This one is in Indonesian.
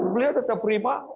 beliau tetap prima